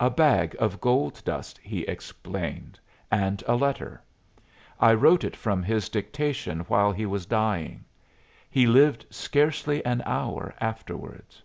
"A bag of gold dust," he explained, "and a letter. I wrote it from his dictation while he was dying. He lived scarcely an hour afterwards."